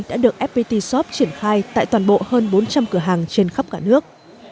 đã được fpt shop triển khai tại toàn bộ hơn bốn trăm linh cửa hàng trên khắp cả nước